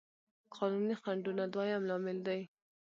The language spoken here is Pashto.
قانوني خنډونه دويم لامل دی.